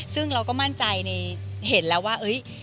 ซึ่งเราก็มั่นใจในเห็นแล้วว่า